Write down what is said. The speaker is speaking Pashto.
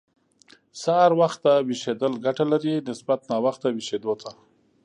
سهار وخته ويښېدل ګټه لري، نسبت ناوخته ويښېدو ته.